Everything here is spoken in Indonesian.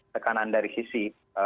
tekanan dari sisi